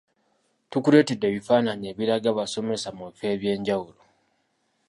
Tukuleetedde ebifaananyi ebiraga abasomesa mu bifo ebyenjawulo.